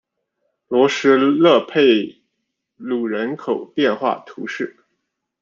罗什勒佩鲁人口变化图示